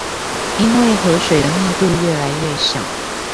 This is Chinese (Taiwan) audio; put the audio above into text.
因為河水的密度愈來愈小